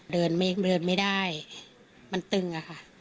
เดินไม่ได้มันตึงอะค่ะ